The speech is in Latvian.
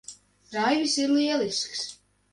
Raivis ir lielisks.